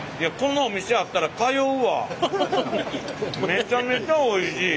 めちゃめちゃおいしい。